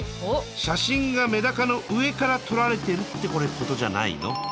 写真がメダカの上から撮られてるってことじゃないの？